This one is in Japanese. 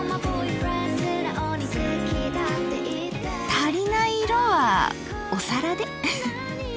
足りない色はお皿で。